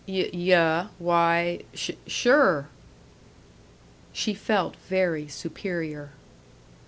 "Y yuh; why, s sure!" She felt very superior.